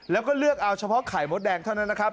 แล้วก็เลือกเอาเฉพาะไข่มดแดงเท่านั้นนะครับ